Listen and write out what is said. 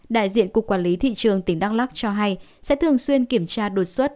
đại diện cục quản lý thị trường tỉnh đắk lắc cho hay sẽ thường xuyên kiểm tra đột xuất